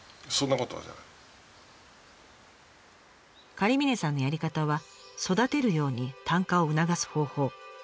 狩峰さんのやり方は育てるように炭化を促す方法。